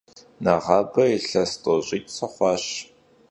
Neğabe yilhes t'oş'it' sıxhuaş.